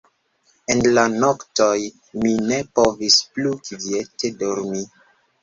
En la noktoj mi ne povis plu kviete dormi.